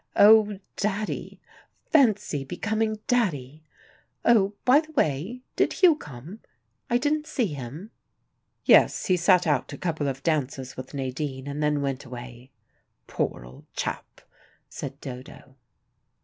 Oh, Daddy! Fancy becoming Daddy! Oh, by the way, did Hugh come? I didn't see him." "Yes, he sat out a couple of dances with Nadine, and then went away." "Poor old chap!" said Dodo.